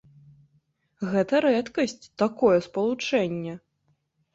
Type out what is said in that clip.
Гэта рэдкасць, такое спалучэнне!